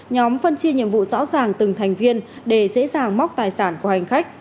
nhóm phân chia nhiệm vụ rõ ràng từng thành viên để dễ dàng móc tài sản của hành khách